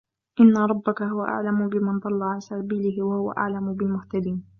إِنَّ رَبَّكَ هُوَ أَعْلَمُ بِمَن ضَلَّ عَن سَبِيلِهِ وَهُوَ أَعْلَمُ بِالْمُهْتَدِينَ